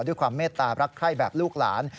ด้วยความเมตตารักไข้แบบลูกหลาน